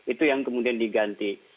itu yang kemudian diganti